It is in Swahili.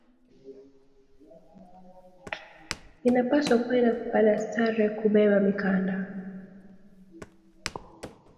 Ina pashwa kwenda ku cadastre ku beba mikanda